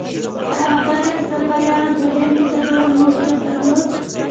ایا خبر یاست بابریانو په هند کې څه ډول موقعیت درلود؟